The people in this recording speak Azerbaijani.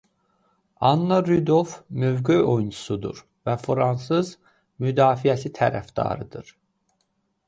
Anna Rudolf mövqe oyunçusudur və fransız müdafiəsi tərəfdarıdır.